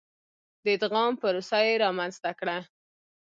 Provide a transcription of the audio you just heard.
د ادغام پروسه یې رامنځته کړه.